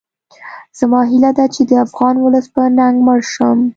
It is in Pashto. زما هیله ده چې د افغان ولس په ننګ مړ شم